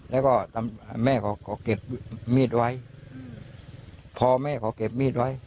แล้วก็แม่ขอเก็บมีดไว้พอแม่ขอเก็บมีดไว้